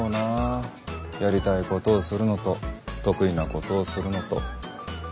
やりたいことをするのと得意なことをするのと。